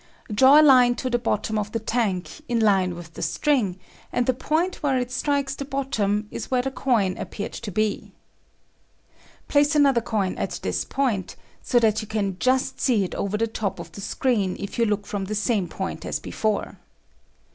Draw a line to the bottom of the tank in line with the string and the point where it strikes the bottom is where the coin ap peared to be. Place another coin at this point so that you can just see it over the top of the screen if you look from the same point as be fore.